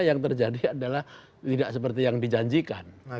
yang terjadi adalah tidak seperti yang dijanjikan